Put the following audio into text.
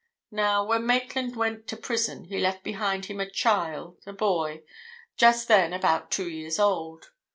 Now, when Maitland went to prison, he left behind him a child, a boy, just then about two years old.